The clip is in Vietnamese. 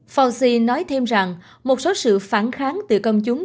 fause nói thêm rằng một số sự phản kháng từ công chúng